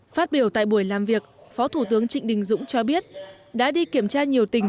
phát biểu tại buổi làm việc phó thủ tướng trịnh đình dũng cho biết đã đi kiểm tra nhiều tỉnh